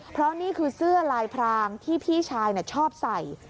เพราะนี่คือเสื้อลายพรางที่พี่ชายชอบใส่